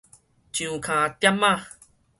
樟跤店仔